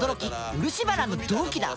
漆原の同期だ。